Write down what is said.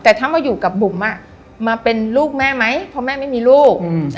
แต่ถ้ามาอยู่กับบุ๋มมาเป็นลูกแม่ไหมเพราะแม่ไม่มีลูก